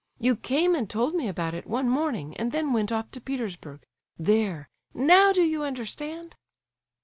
You came and told me about it one morning, and then went off to Petersburg. There, now do you understand?"